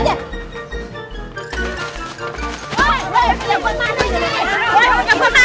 udah kita ambil aja